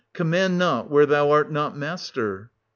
Command not where thou art not master.